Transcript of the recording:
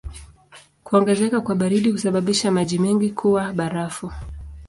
Kuongezeka kwa baridi husababisha maji mengi kuwa barafu.